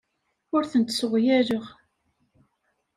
Ur tent-sseɣyaleɣ.